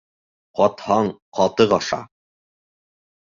Ҡатһаң, ҡатыҡ аша.